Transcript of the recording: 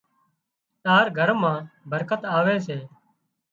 تار گھر مان برڪت آوي سي